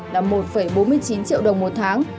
là một bốn mươi chín triệu đồng một tháng